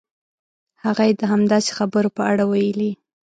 هغه یې د همداسې خبرو په اړه ویلي.